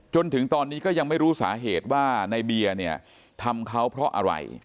จนถึงตอนนี้ก็ยังไม่รู้สาเหตุว่าในเบียร์เนี่ยทำเขาเพราะอะไร